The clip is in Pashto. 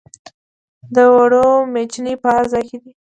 د اوړو میچنې په هر ځای کې دي.